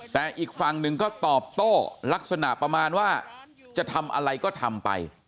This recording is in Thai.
แต่อีกฝั่งหนึ่งก็ตอบโต้ลักษณะประมาณว่าจะทำอะไรก็ทำไป